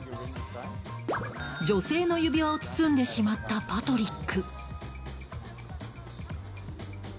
女性の指輪を包んでしまったパトリック。